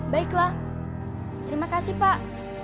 baiklah terima kasih pak